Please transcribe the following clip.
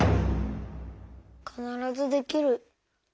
「かならずできる」。